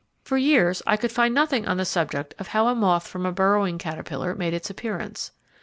For years I could find nothing on the subject of how a moth from a burrowing caterpillar made its appearance.